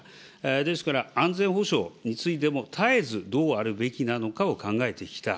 ですから、安全保障についても絶えずどうあるべきなのかを考えてきた。